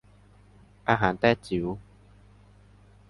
อาหารแต้จิ๋ว